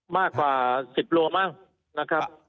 มากกว่า๑๐โลมั้งนะครับ